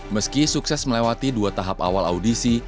meski sukses melewati dua tahap awal audisi